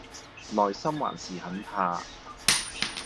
內心還是很怕